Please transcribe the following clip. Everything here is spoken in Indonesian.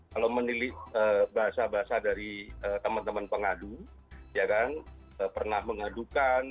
kalau menulis bahasa bahasa dari teman teman pengadu pernah mengadukan